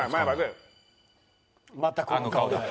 またこの顔だよ。